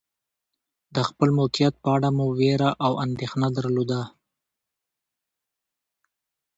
د خپل موقعیت په اړه مو وېره او اندېښنه درلوده.